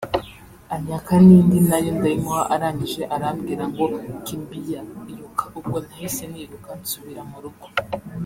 anyaka n’indi nayo ndayimuha arangije arambwira ngo ‘kimbia’ (iruka) ubwo nahise niruka nsubira mu rugo